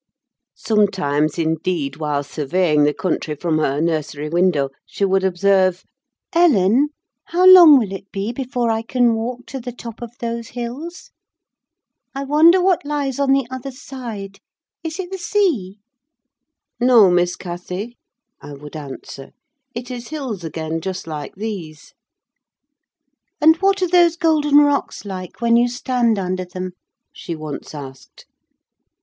Sometimes, indeed, while surveying the country from her nursery window, she would observe— "Ellen, how long will it be before I can walk to the top of those hills? I wonder what lies on the other side—is it the sea?" "No, Miss Cathy," I would answer; "it is hills again, just like these." "And what are those golden rocks like when you stand under them?" she once asked.